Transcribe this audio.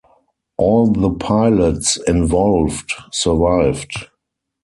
All the pilots involved survived.